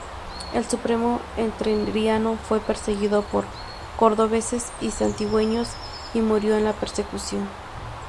El Supremo Entrerriano fue perseguido por cordobeses y santiagueños, y murió en la persecución.